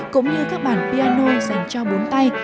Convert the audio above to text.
cũng như các bàn piano dành cho bốn tay